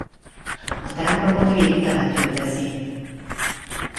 A templomot régi temető övezi.